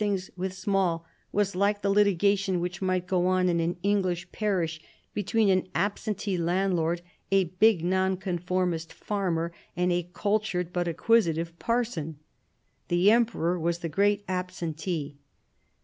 ngs with small, was like the ' litigation which might go on in an English parish between an absentee landlord, a big Nonconformist farmer, and a cultured but acquisitive parson. The Emperor was the great absentee.